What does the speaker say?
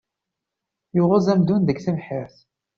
Yuɣez amdun deg tebḥirt.